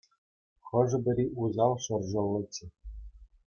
Хӑшӗ-пӗри усал шӑршӑллӑччӗ.